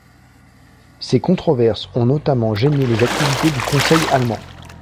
Ces controverses ont notamment gêné les activités du Conseil allemand.